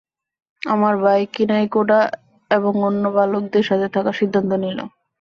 আমার ভাই কিনাই কোডা এবং অন্য ভালুকদের সাথে থাকার সিদ্ধান্ত নিল।